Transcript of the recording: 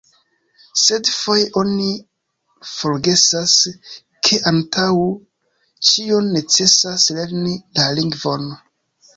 Sed foje oni forgesas, ke antaŭ ĉio necesas lerni la lingvon.